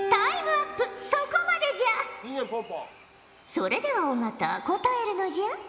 それでは尾形答えるのじゃ。